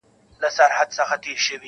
• جهاني مي د پښتون غزل اسمان دی..